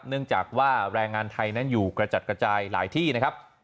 เนื่องจากว่าแรงงานไทยนั้นอยู่กระจัดกระจายหลายที่นะครับ